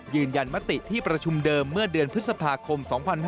ยืนยันมติที่ประชุมเดิมเมื่อเดือนพฤษภาคม๒๕๖๒